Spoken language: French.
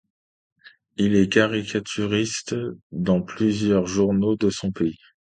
Il est caricaturiste dans plusieurs journaux de son pays.